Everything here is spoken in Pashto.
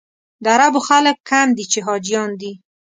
د عربو خلک کم دي چې حاجیان دي.